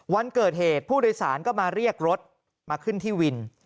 วันเกิดเหตุผู้โดยสารก็มาเรียกรถมาขึ้นที่วิน